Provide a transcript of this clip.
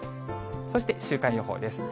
そして、週間予報です。